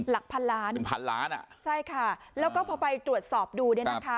หลักพันล้านหนึ่งพันล้านอ่ะใช่ค่ะแล้วก็พอไปตรวจสอบดูเนี่ยนะคะ